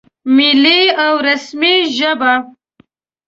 ملي او رسمي ژبه